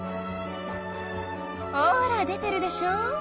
ほら出てるでしょ。